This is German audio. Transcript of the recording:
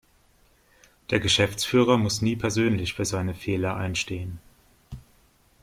Der Geschäftsführer muss nie persönlich für seine Fehler einstehen.